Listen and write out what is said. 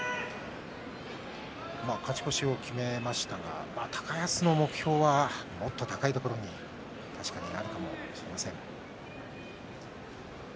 勝ち越しを決めましたが高安の目標はもっと高いところにあるのかもしれません。